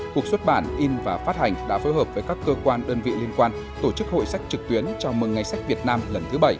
cuộc xuất bản in và phát hành đã phối hợp với các cơ quan đơn vị liên quan tổ chức hội sách trực tuyến chào mừng ngày sách việt nam lần thứ bảy